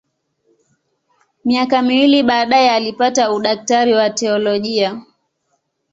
Miaka miwili baadaye alipata udaktari wa teolojia.